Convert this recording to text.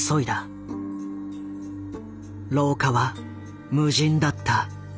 廊下は無人だった。